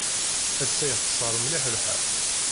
Ass-a yexṣer mliḥ lḥal.